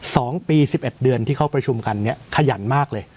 สองปีสิบเอ็ดเดือนที่เข้าประชุมกันเนี้ยขยันมากเลย